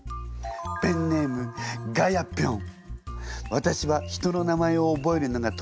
ペンネームガヤピョン。